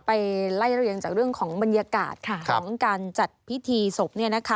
ไปไล่เรียงจากเรื่องของบรรยากาศของการจัดพิธีศพ